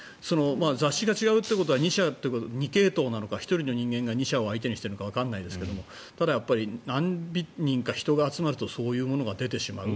雑誌が違うということは２系統なのか１人の人間が２社を相手にしているのかわからないですがやっぱり何人か人が集まるとそういうものが出てしまう。